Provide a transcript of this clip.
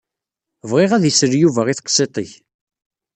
Bɣiɣ ad isel Yuba i teqsiṭ-ik.